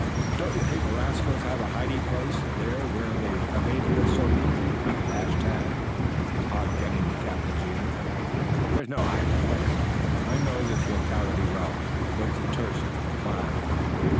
"Don't you think the rascals have a hiding place there where they evaded us so neatly?" asked Tad, upon getting the captain's ear. "There is no hiding place there. I know the locality well," was the terse reply.